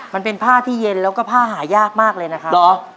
มันเป็นผ้าที่เย็นแล้วก็ผ้าหายากมากเลยนะครับ